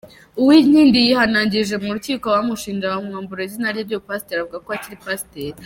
Uwinkindi yihanangirije mu Rukiko abamushinja bamwambura izina rye ry’Ubupasiteri, avuga ko akiri Pasiteri.